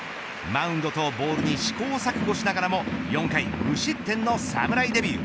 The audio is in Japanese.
マウンドとボールに試行錯誤しながらも４回無失点の侍デビュー。